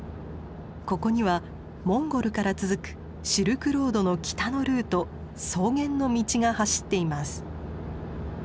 ここにはモンゴルから続くシルクロードの北のルート草原の道が走っています。